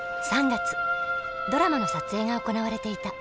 ３月ドラマの撮影が行われていた。